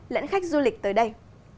lãnh khách du lịch tới đây